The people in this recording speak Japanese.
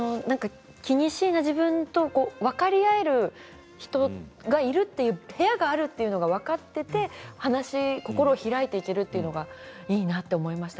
気にしいな自分と分かり合える人がいる部屋があることが分かっていて心を開いていけるのがいいなと思いました。